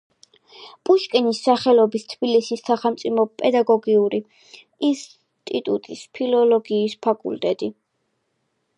პუშკინის სახელობის თბილისის სახელმწიფო პედაგოგიური ინსტიტუტის ფილოლოგიის ფაკულტეტი.